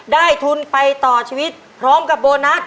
ทุนไปต่อชีวิตพร้อมกับโบนัส